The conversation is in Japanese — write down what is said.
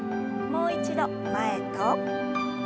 もう一度前と。